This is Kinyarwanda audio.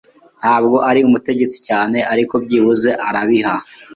ntabwo ari umutetsi cyane, ariko byibuze arabiha.